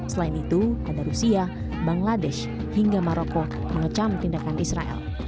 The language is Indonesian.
selain itu ada rusia bangladesh hingga maroko mengecam tindakan israel